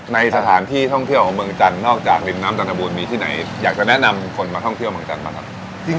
ในสถานที่ท่องเที่ยวของเมืองจันทร์นอกจากริมน้ำจันทบูรณมีที่ไหนอยากจะแนะนำคนมาท่องเที่ยวเมืองจันทร์บ้างครับ